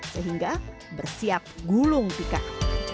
sehingga bersiap gulung tikar